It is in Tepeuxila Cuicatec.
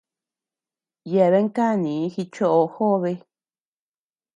Yeabean kanii jichoʼo jobe.